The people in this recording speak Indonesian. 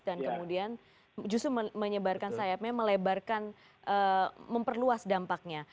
dan kemudian justru menyebarkan sayapnya melebarkan memperluas dampaknya